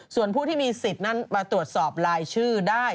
ส่วนผู้ที่มีสิทธิ์นั้นมาตรวจสอบรายชื่อได้